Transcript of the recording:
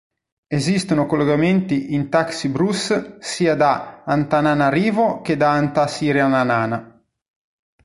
Esistono collegamenti in taxi-brousse sia da Antananarivo che da Antsiranana.